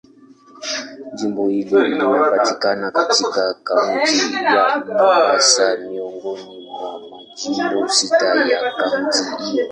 Jimbo hili linapatikana katika Kaunti ya Mombasa, miongoni mwa majimbo sita ya kaunti hiyo.